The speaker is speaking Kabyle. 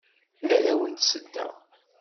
Arraw n tsedda.